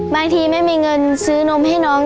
บางทีไม่มีเงินซื้อนมให้น้อง